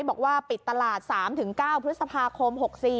บอกว่าปิดตลาด๓๙พฤษภาคม๖๔